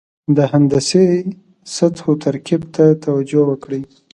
د هندسي سطحو ترکیب ته توجه وکړئ.